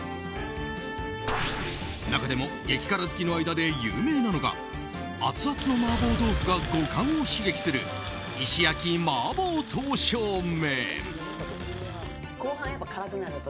中でも激辛好きの間で有名なのがアツアツの麻婆豆腐が五感を刺激する石焼麻婆刀削麺。